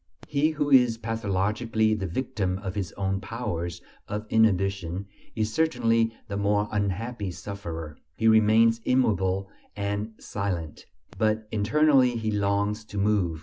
He who is pathologically the victim of his own powers of inhibition is certainly the more unhappy sufferer; he remains immobile and silent; but internally he longs to move.